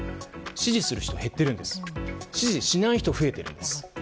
支持する人が減っていて支持しない人は増えているんです。